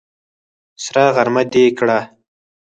سره غرمه دې کړه!